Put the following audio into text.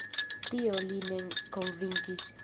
Tio lin ne konvinkis.